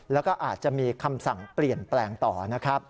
แล้วก็อาจจะมีคำสั่งเปลี่ยนแปลงต่อนะครับ